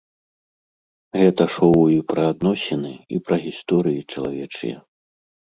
Гэта шоу і пра адносіны, і пра гісторыі чалавечыя.